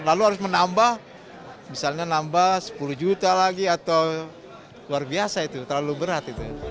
lalu harus menambah misalnya nambah sepuluh juta lagi atau luar biasa itu terlalu berat